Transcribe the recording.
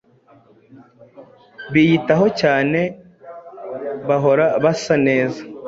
biyitaho cyane bahora basa neza,